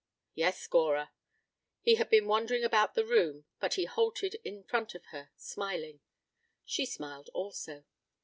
"Yes, Gora." He had been wandering about the room, but he halted in front of her, smiling. She smiled also.